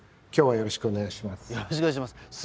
よろしくお願いします。